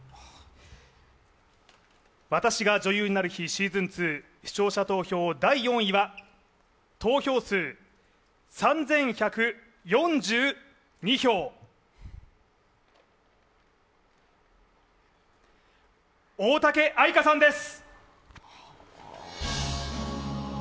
「『私が女優になる日＿』ｓｅａｓｏｎ２」視聴者投票第４位は投票数３１４２票、大嵩愛花さんです。